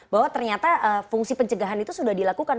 bahwa ternyata fungsi pencegahan itu sudah dilakukan